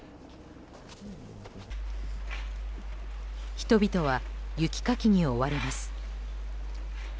人々は雪かきに追われます。